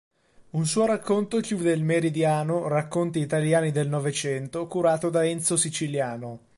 Un suo racconto chiude il Meridiano "Racconti italiani del Novecento" curato da Enzo Siciliano.